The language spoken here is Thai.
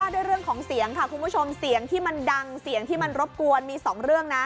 ด้วยเรื่องของเสียงค่ะคุณผู้ชมเสียงที่มันดังเสียงที่มันรบกวนมี๒เรื่องนะ